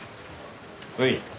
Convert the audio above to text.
おい。